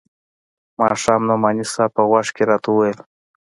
ماښام نعماني صاحب په غوږ کښې راته وويل.